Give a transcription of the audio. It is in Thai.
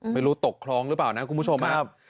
ไม่รู้ตกคลองหรือเปล่านะคุณผู้ชมครับ